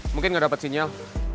mungkin gak dapet sinyal